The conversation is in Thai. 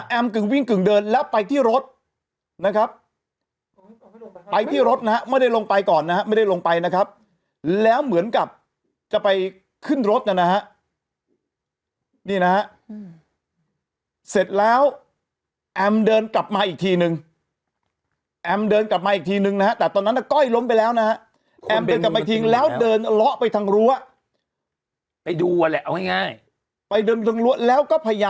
กึ่งวิ่งกึ่งเดินแล้วไปที่รถนะครับไปที่รถนะฮะไม่ได้ลงไปก่อนนะฮะไม่ได้ลงไปนะครับแล้วเหมือนกับจะไปขึ้นรถนะฮะนี่นะฮะเสร็จแล้วแอมเดินกลับมาอีกทีนึงแอมเดินกลับมาอีกทีนึงนะฮะแต่ตอนนั้นน่ะก้อยล้มไปแล้วนะฮะแอมเดินกลับมาอีกทีแล้วเดินเลาะไปทางรั้วไปดูอ่ะแหละเอาง่ายไปเดิน